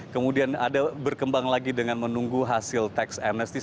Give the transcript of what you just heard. kemudian ada berkembang lagi dengan menunggu hasil teks amnestis